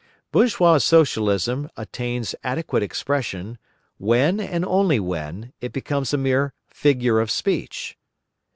Bourgeois Socialism attains adequate expression, when, and only when, it becomes a mere figure of speech.